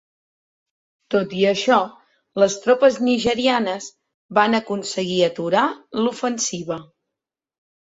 Tot i això, les tropes nigerianes van aconseguir aturar l'ofensiva.